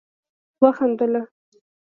وخندله